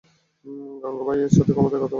গাঙুবাইয়ের সাথে ক্ষমতার কথা বলে!